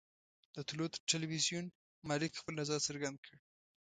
د طلوع ټلویزیون مالک خپل نظر څرګند کړ.